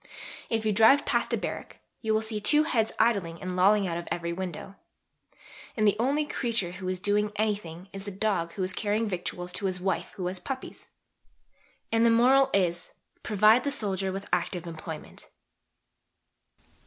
If you drive past a barrack, you will see two heads idling and lolling out of every window. And the only creature who is doing anything is the dog who is carrying victuals to his wife who has puppies. And the moral is: Provide the soldier with active employment."